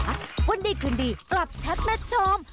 วันนี้คืนดีกลับชัดมาชม